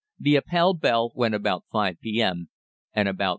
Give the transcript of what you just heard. The Appell bell went about 5 p.m., and about 5.